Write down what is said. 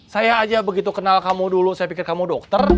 saya aja begitu kenal kamu dulu saya pikir kamu dokter